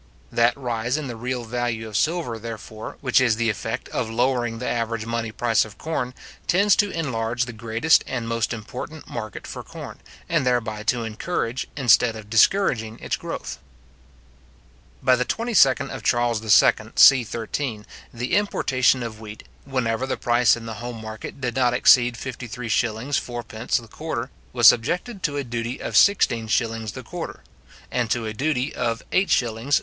That rise in the real value of silver, therefore, which is the effect of lowering the average money price of corn, tends to enlarge the greatest and most important market for corn, and thereby to encourage, instead of discouraging its growth. By the 22d of Charles II. c. 13, the importation of wheat, whenever the price in the home market did not exceed 53s:4d. the quarter, was subjected to a duty of 16s. the quarter; and to a duty of 8s.